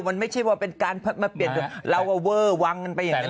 มันไม่ใช่ว่าเป็นการเพิ่มมาเปลี่ยนเราว่าเวอร์วางกันไปอย่างนั้นแหละ